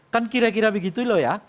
kan kira kira begitu loh ya